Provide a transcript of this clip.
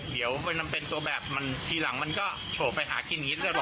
เดี๋ยวมันนำเป็นตัวแบบทีหลังมันก็โฉ่ไปหากินคิดเลยหรอก